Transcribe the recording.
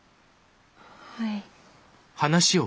はい。